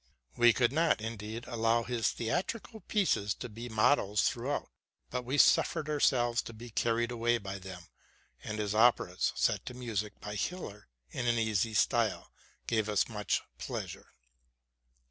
We would not, indeed, allow his theatrical pieces to be models throughout, but we suffered ourselves to be carried away by them; and his operas, set to music by Hiller in an easy style, gave us much pleasure.